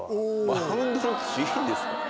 マウンドの土、いいんですか？